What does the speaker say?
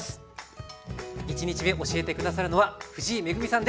１日目教えて下さるのは藤井恵さんです。